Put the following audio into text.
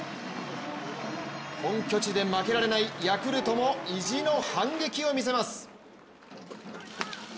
本拠地で負けられないヤクルトも意地の反撃を見せます。